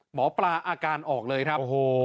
หมอปลาอาการออกเลยครับ